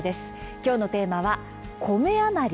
きょうのテーマは「コメ余り！？